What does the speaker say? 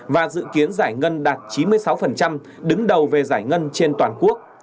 và dự kiến giải ngân đạt chín mươi sáu đứng đầu về giải ngân trên toàn quốc